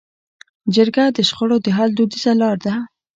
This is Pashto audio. جرګه د شخړو د حل دودیزه لار ده.